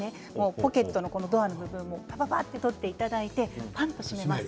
ポケットのドアの部分もぱぱぱっと撮っていただいてさっと閉めます。